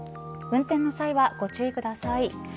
運転の際は、ご注意ください。